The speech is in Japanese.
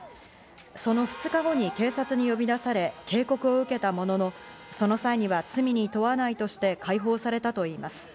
その２日後に警察に呼び出され、警告を受けたものの、その際には罪に問わないとして解放されたといいます。